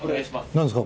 何ですか？